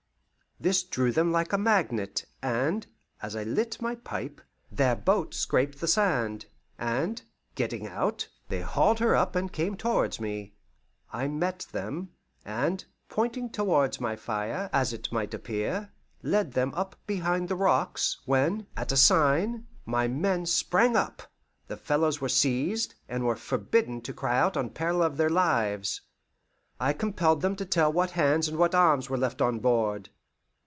This drew them like a magnet, and, as I lit my pipe, their boat scraped the sand, and, getting out, they hauled her up and came towards me. I met them, and, pointing towards my fire, as it might appear, led them up behind the rocks, when, at a sign, my men sprang up, the fellows were seized, and were forbidden to cry out on peril of their lives. I compelled them to tell what hands and what arms were left on board.